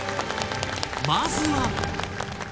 まずは！